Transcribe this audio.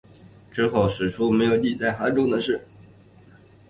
之后史书没有记载韩忠的事。